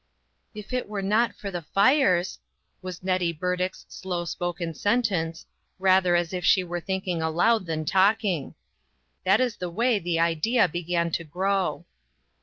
" If it were not for the fires," was Nettie Burdick's slow spoken sentence, rather as if she were thinking aloud than talking. That is the way the idea began to grow.